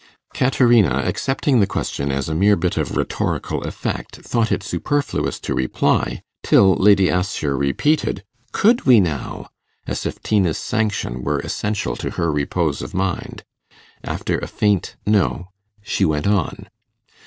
Caterina, accepting the question as a mere bit of rhetorical effect, thought it superfluous to reply, till Lady Assher repeated, 'Could we, now?' as if Tina's sanction were essential to her repose of mind. After a faint 'No', she went on.